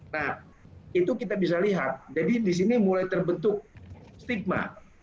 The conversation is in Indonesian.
nah itu kita bisa lihat jadi di sini mulai terbentuk stigma